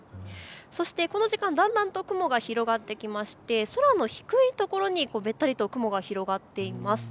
そしてこの時間、だんだんと雲が広がってきまして空の低いところにべったりと雲が広がっています。